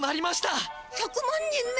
１００万人目。